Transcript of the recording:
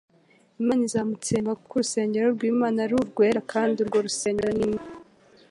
Imana izamutsemba; kuko urusengero rw'Imana ari urwera kandi urwo rusengero ni mwe".